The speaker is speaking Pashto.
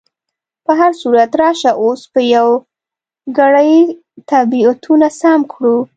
په هر صورت، راشه اوس به یو ګړی طبیعتونه سم کړو.